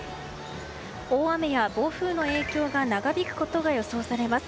大雨や暴風の影響が長引くことが予想されます。